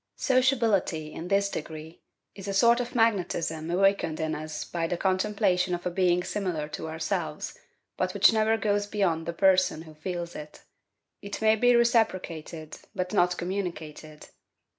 Sociability, in this degree, is a sort of magnetism awakened in us by the contemplation of a being similar to ourselves, but which never goes beyond the person who feels it; it may be reciprocated, but not communicated.